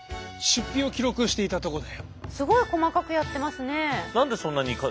すごい細かくやってますね。